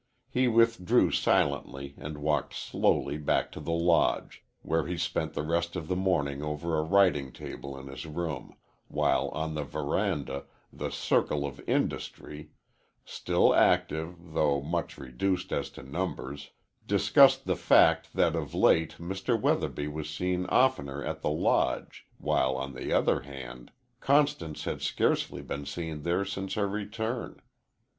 He withdrew silently and walked slowly back to the Lodge, where he spent the rest of the morning over a writing table in his room, while on the veranda the Circle of Industry still active, though much reduced as to numbers discussed the fact that of late Mr. Weatherby was seen oftener at the Lodge, while, on the other hand, Constance had scarcely been seen there since her return.